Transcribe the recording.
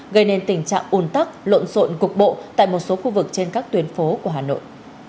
gây nên tình trạng ùn tắc lộn rộn cục bộ tại một số khu vực trên các tuyến phố của hà nội